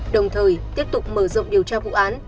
đồng thời tiếp tục mở rộng điều tra vụ án